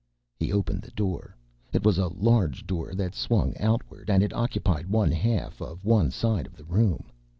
He opened the door. It was a large door that swung outward, and it occupied one half of one side of the room.